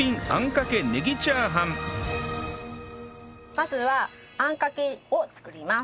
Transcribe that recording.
まずはあんかけを作ります。